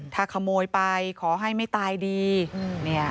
ถ้าขโมยไปขอให้ไม่ตายดี